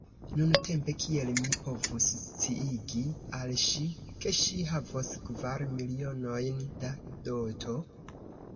Nuntempe, kiel mi povus sciigi al ŝi, ke ŝi havos kvar milionojn da doto?